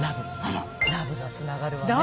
ラブがつながるわね。